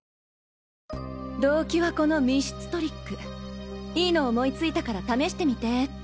動機はこの密室トリック「いいの思いついたから試してみて！」って